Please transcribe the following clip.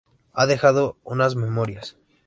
Ha dejado unas memorias.